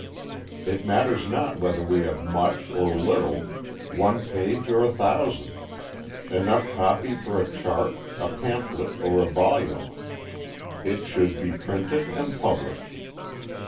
It matters not whether we have much or little, one page or a thousand, enough copy for a chart, a pamphlet or a volume: it should be printed and published.